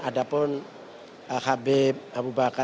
ada pun habib abu bakar